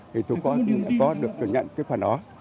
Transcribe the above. thì tôi có được nhận được cái phần đó